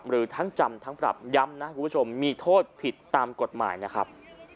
หรือทั้งจำทั้งปรับย้ำนะคุณผู้ชมมีโทษผิดตามกฎหมายนะครับ